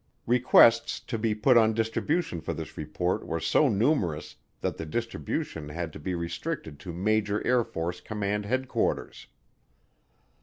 Requests to be put on distribution for this report were so numerous that the distribution had to be restricted to major Air Force Command Headquarters.